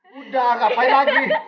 udah ngapain lagi